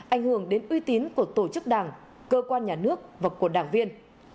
ảnh hưởng đến uy tín của tổ chức đảng cơ quan nhà nước và của đảng viên